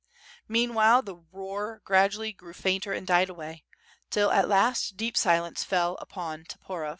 Meanwhile the roar gradually grew fainter and died away, till at last deep silence fell upon Toporov.